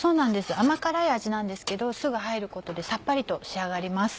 甘辛い味なんですけど酢が入ることでさっぱりと仕上がります。